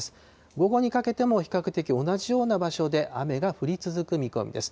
午後にかけても比較的同じような場所で、雨が降り続く見込みです。